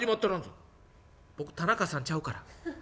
「僕田中さんちゃうから。